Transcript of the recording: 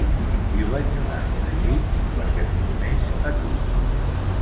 Li ho vaig donar a Jeeves perquè t'ho donés a tu.